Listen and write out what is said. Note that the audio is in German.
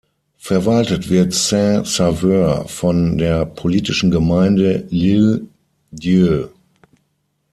Verwaltet wird Saint-Sauveur von der politischen Gemeinde L’Île-d’Yeu.